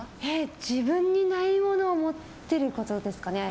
自分にないものを持っていることですかね。